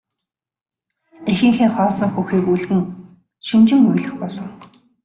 Эхийнхээ хоосон хөхийг үлгэж шөнөжин уйлах болов.